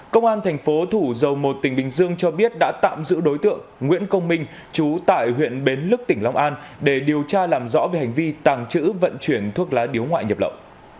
công an thành phố thủ dầu một tỉnh bình dương cho biết đã tạm giữ đối tượng nguyễn công minh chú tại huyện bến lức tỉnh long an để điều tra làm rõ về hành vi tàng trữ vận chuyển thuốc lá điếu ngoại nhập lậu